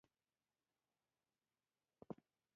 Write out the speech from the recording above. د هغه د زیږیدو نیټه د اګست څلور ویشتمه ده.